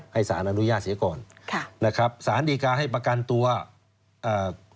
ให้สารอนุญาตเสียก่อนค่ะนะครับสารดีกาให้ประกันตัวอ่า